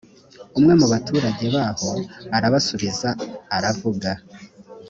umwe mu baturage baho arabasubiza aravuga